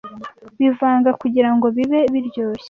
bivanga kugirango bibe biryoshye